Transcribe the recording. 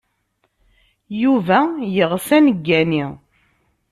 Yuba yeɣs ad neggani.